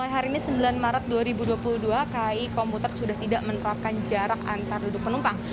hari ini sembilan maret dua ribu dua puluh dua kai komputer sudah tidak menerapkan jarak antar duduk penumpang